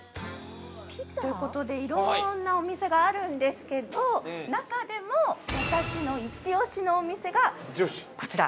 ◆ということで、いろんなお店があるんですけど、中でも私のイチオシのお店がこちら。